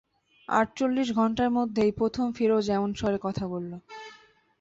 আটচল্লিশ ঘণ্টার মধ্যে এই প্রথম ফিরোজ এমন স্বরে কথা বলল।